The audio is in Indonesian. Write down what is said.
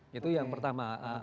itu yang pertama